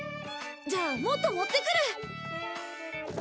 じゃあもっと持ってくる！